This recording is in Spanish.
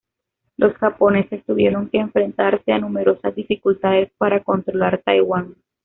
Los japoneses tuvieron que enfrentarse a numerosas dificultades para controlar Taiwán.